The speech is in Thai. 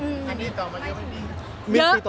มีติดต่อมาเยอะไม่ดี